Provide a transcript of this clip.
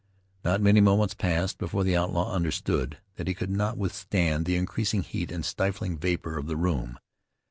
Not many moments passed before the outlaw understood that he could not withstand the increasing heat and stifling vapor of the room.